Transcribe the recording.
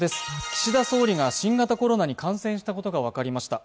岸田総理が新型コロナに感染したことが分かりました。